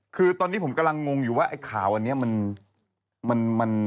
คือตอนนี้ผมกำลังงงอยู่ว่าไอ้ข่าวอันนี้มัน